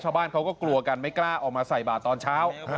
ชาวบ้านเขาก็กลัวกันไม่กล้าออกมาใส่บาทตอนเช้า